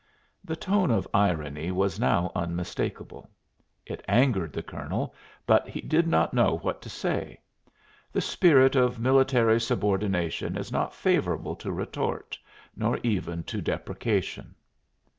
The tone of irony was now unmistakable. It angered the colonel, but he did not know what to say. The spirit of military subordination is not favorable to retort, nor even to deprecation.